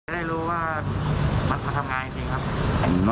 ได้รู้ว่ามันมาทำงานจริงครับ